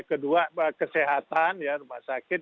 kedua kesehatan ya rumah sakit